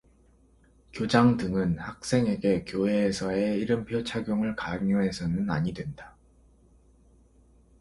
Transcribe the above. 교장 등은 학생에게 교외에서의 이름표 착용을 강요해서는 아니 된다.